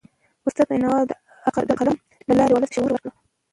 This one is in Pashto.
استاد بینوا د قلم له لاري ولس ته شعور ورکړ.